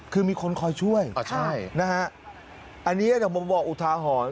คือมีคนคอยช่วยนะฮะอันนี้แต่มุมบอกอุทาหรณ์